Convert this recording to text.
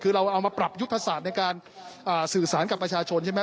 คือเราเอามาปรับยุทธศาสตร์ในการสื่อสารกับประชาชนใช่ไหม